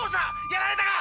やられたか！」。